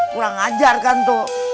kurang ajar kan tuh